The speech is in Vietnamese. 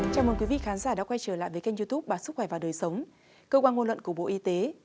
chào mừng quý vị khán giả đã quay trở lại với kênh youtube bà sức khỏe và đời sống cơ quan ngôn luận của bộ y tế